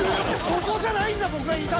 そこじゃないんだ！